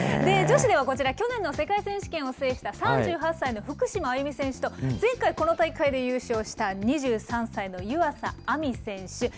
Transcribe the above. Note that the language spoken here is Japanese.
女子ではこちら、去年の世界選手権を制した３８歳の福島あゆみ選手と、前回、この大会で優勝した２３歳の湯浅亜実選手。